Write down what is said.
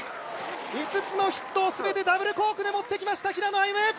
５つのヒットをすべてダブルコークで持ってきました、平野歩夢。